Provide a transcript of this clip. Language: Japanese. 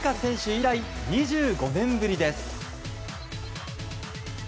以来２５年ぶりです。